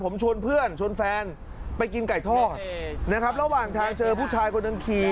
ผมชวนเพื่อนชวนแฟนไปกินไก่ทอดนะครับระหว่างทางเจอผู้ชายคนหนึ่งขี่